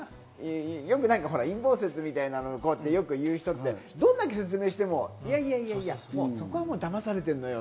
何か陰謀説みたいなのをよく言う人ってどんだけ説明してもいやいやそこはだまされてんのよ。